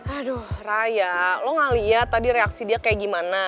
aduh raya lo ngeliat tadi reaksi dia kayak gimana